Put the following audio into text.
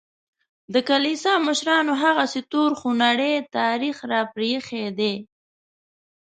د کلیسا مشرانو هغسې تور خونړی تاریخ راپرېښی دی.